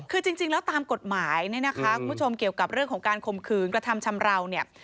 คือจริงแล้วตามกฎหมายเนี่ยนะคะคุณผู้ชมเกี่ยวกับเรื่องของการข่มขืนกระทำชำราวเนี่ย